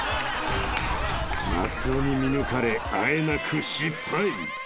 ［松尾に見抜かれあえなく失敗！］